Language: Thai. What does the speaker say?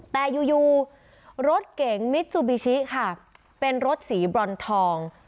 แต่อยู่รถเก๋งมิซูบิชิค่ะเป็นรถสีบรอนทอง